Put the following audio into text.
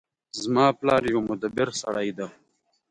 زما پلار یو مدبر سړی ده